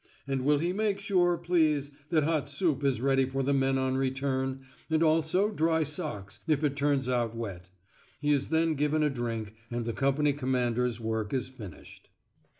and will he make sure, please, that hot soup is ready for the men on return, and also dry socks if it turns out wet; he is then given a drink, and the company commander's work is finished.